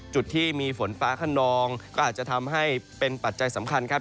จุดที่มีฝนฟ้าขนองก็อาจจะทำให้เป็นปัจจัยสำคัญครับ